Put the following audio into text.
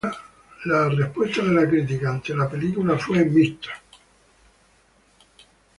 Las respuesta de la crítica ante la película fue mixta.